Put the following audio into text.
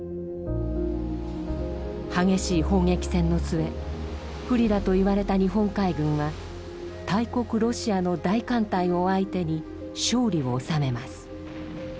激しい砲撃戦の末不利だといわれた日本海軍は大国ロシアの大艦隊を相手に勝利を収めます。